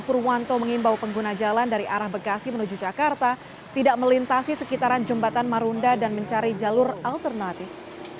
purwanto mengimbau pengguna jalan dari arah bekasi menuju jakarta tidak melintasi sekitaran jembatan marunda dan mencari jalur alternatif